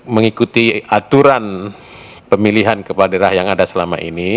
mengikuti aturan pemilihan kepala daerah yang ada selama ini